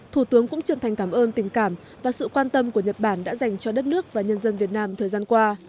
thủ tướng cũng chân thành cảm ơn tình cảm và sự quan tâm của nhật bản đã dành cho đất nước và nhân dân việt nam thời gian qua